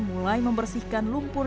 mulai membersihkan lumpur